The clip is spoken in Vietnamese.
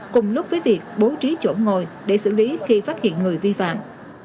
cùng lúc với việc bố trí chỗ ngồi để xử lý khi phát hiện người vi phạm